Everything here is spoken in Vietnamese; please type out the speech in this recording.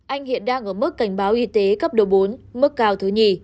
anh hiện đang ở mức cảnh báo y tế cấp độ bốn mức cao thứ nhì